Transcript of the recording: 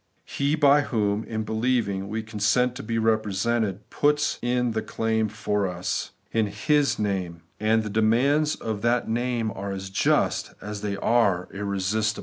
He by whom, in believing, we consent to be represented, puts in the claim for us, in His name ; and the de mands of that name are as just as they are irresistible.